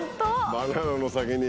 バナナの先に。